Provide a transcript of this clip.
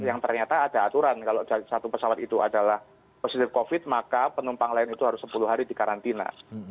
yang ternyata ada aturan kalau satu pesawat itu adalah positif covid maka penumpang lain itu harus sepuluh hari di karantina